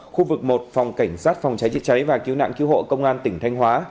khu vực một phòng cảnh sát phòng cháy chữa cháy và cứu nạn cứu hộ công an tỉnh thanh hóa